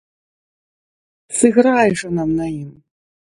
Сыграй жа нам на ім!